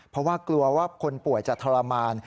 เพราะว่ากลัวว่าคนป่วยจะทรมาน